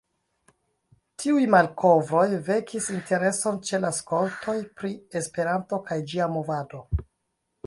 Tiuj malkovroj vekis intereson ĉe la skoltoj pri Esperanto kaj ĝia movado.